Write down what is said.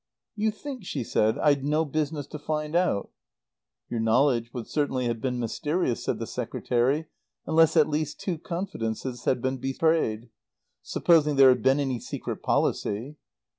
"You think," she said, "I'd no business to find out?" "Your knowledge would certainly have been mysterious," said the Secretary; "unless at least two confidences had been betrayed. Supposing there had been any secret policy."